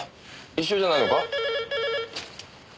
一緒じゃないのか？